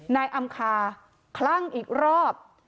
นายอำคาคลั่งอีกรอบ